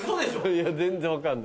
いや全然分かんない。